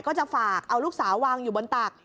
ก็จะฝากเอาลูกสาววางอยู่บนตัก